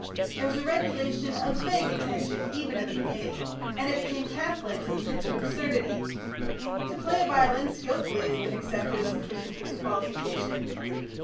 It was a regulation of vague intention even in the beginning, and it became catholic to the pitch of absurdity. To play a violin skilfully has been accepted as sufficient for this qualification.